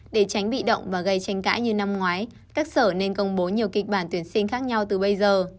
để tránh bị động và gây tranh cãi như năm ngoái các sở nên công bố nhiều kịch bản tuyển sinh khác nhau từ bây giờ